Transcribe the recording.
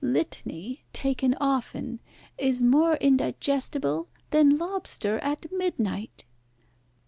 Litany, taken often, is more indigestible than lobster at midnight."